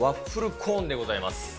コーンでございます。